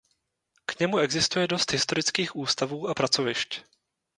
K němu existuje dost historických ústavů a pracovišť.